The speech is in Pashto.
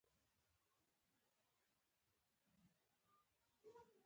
حبیب الله کلکاني ته یې د خادم دین رسول الله لقب ورکړ.